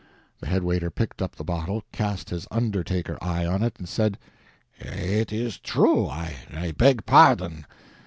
The head waiter picked up the bottle, cast his undertaker eye on it and said: "It is true; I beg pardon."